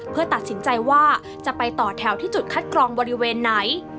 เพื่อตัดสินใจว่าจะไปต่อแถวที่จุดคัดกรองบริเวณไหน